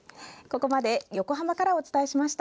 ここまで横浜からお伝えしました。